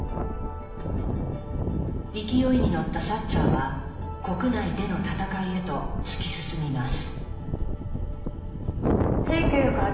勢いに乗ったサッチャーは国内での戦いへと突き進みます。